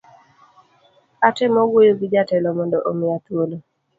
Atemo wuoyo gi jatelo mondo omiya thuolo